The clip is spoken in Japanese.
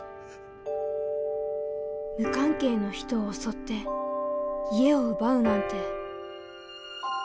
無関係の人を襲って家を奪うなんて。